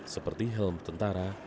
seperti helm tentara